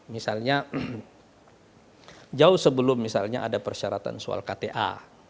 misalnya jauh sebelum misalnya ada persyaratan soal kta